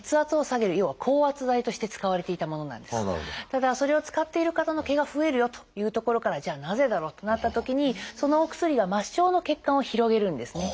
ただそれを使っている方の毛が増えるよというところからじゃあなぜだろうとなったときにそのお薬が末梢の血管を広げるんですね。